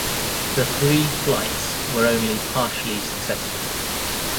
The three flights were only partially successful.